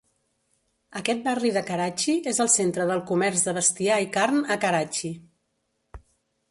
Aquest barri de Karachi és el centre del comerç de bestiar i carn a Karachi.